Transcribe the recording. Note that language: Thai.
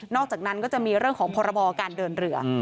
อกจากนั้นก็จะมีเรื่องของพรบการเดินเรือ